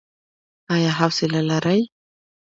ایا حوصله لرئ؟